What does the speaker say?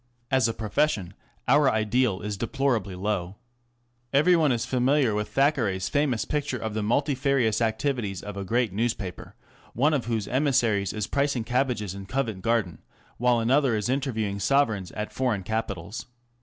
As a profession, our ideal is deplorably low. Every one is familiar with Thackeray's famous picture of the multifarious activities of a great newspaper, one of whose emissaries is pricing cabbages in Covent Garden while another is interviewing Sovereigns at foreign capitals.